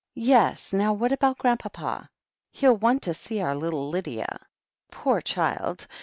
"Yes, now what about Grandpapa?" "He'll want to see our little Lydia." "Poor child!